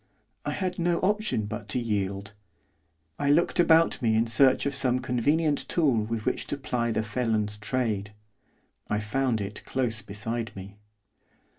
I had no option but to yield. I looked about me in search of some convenient tool with which to ply the felon's trade. I found it close beside me.